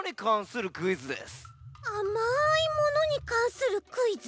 あまいものにかんするクイズ？